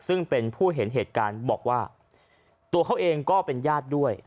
ซึ่งเป็นผู้เห็นเหตุการณ์บอกว่าตัวเขาเองก็เป็นญาติด้วย